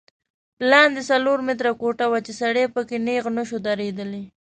لاندې څلور متره کوټه وه چې سړی په کې نیغ نه شو درېدلی.